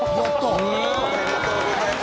おめでとうございます。